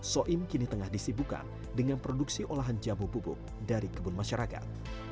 soim kini tengah disibukan dengan produksi olahan jamu bubuk dari kebun masyarakat